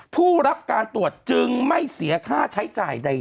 ผู้รับการตรวจจึงไม่เสียค่าใช้จ่ายใด